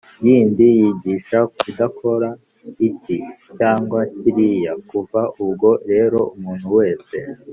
yindi yigisha kudakora iki cyangwa kiriya. Kuva ubwo rero umuntu wese